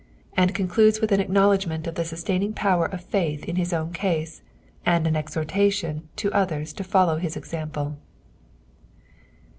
and eondudea leUh an acknouiedgmmt of the sitstaining power i^ faith in hit own ease, and an eahorUition to others to foliou) Ms example.